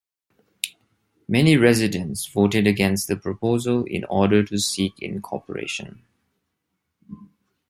Many residents voted against the proposal in order to seek incorporation.